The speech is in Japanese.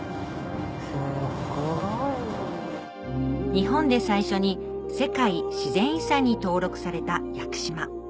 日本で最初に世界自然遺産に登録された屋久島